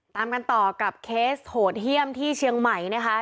ตามกันต่อกับเคสโหดเยี่ยมที่เชียงใหม่นะคะ